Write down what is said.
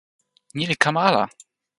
ni li kama ala!